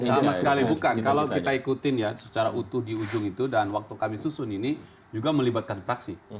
sama sekali bukan kalau kita ikutin ya secara utuh di ujung itu dan waktu kami susun ini juga melibatkan praksi